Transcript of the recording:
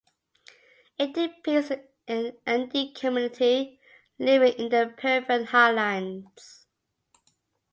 It depicts an Andean community, living in the Peruvian highlands.